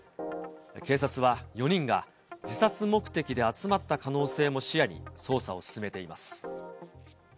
警察は４人が、自殺目的で集まった可能性も視野に、捜査を進めています。